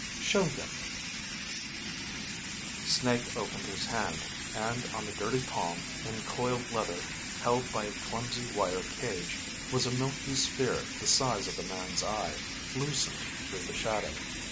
"Show them," she said. Snake opened his hand, and on the dirty palm, in coiled leather, held by a clumsy wire cage, was a milky sphere the size of a man's eye, lucent through the shadow.